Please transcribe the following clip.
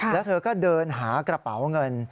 แล้วเธอก็เดินหากระเป๋าเงิน